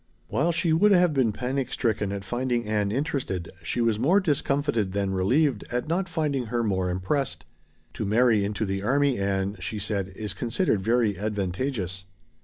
While she would have been panic stricken at finding Ann interested, she was more discomfited than relieved at not finding her more impressed. "To marry into the army, Ann," she said, "is considered very advantageous."